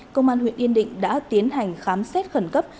công an huyện yên định đã tiến hành khám xét khẩn cấp